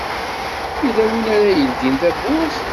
Yella win ara yeldin tawwurt?